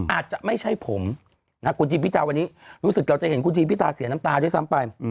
อาจจะไม่ใช่ผมคุณทีมพิธาวันนี้รู้สึกเราจะเห็นคุณทีมพิธาเสียน้ำตาด้วยซ้ำไป